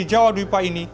di jawa duwipa ini